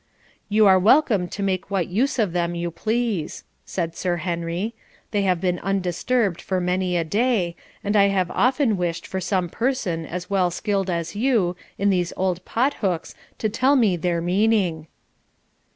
'You are welcome to make what use of them you please,' said Sir Henry;' they have been undisturbed for many a day, and I have often wished for some person as well skilled as you in these old pot hooks to tell me their meaning.'